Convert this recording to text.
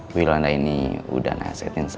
bu yolanda ini udah nasikin saya